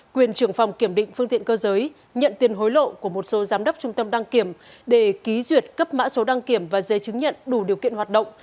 quyền trưởng phòng kiểm định phương tiện cơ giới nhận tiền hối lộ của một số giám đốc trung tâm đăng kiểm để ký duyệt cấp mã số đăng kiểm và giấy chứng nhận đủ điều kiện hoạt động